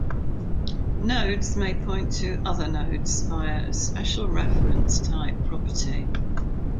Nodes may point to other nodes via a special reference type property.